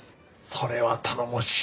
それは頼もしい。